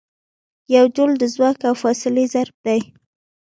یو جول د ځواک او فاصلې ضرب دی.